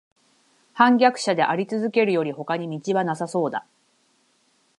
叛逆者でありつづけるよりほかに途はなさそうだ